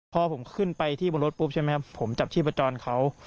พอผมขึ้นไปที่บนรถปุ๊บใช่ไหมครับผมจับชีพจรเขา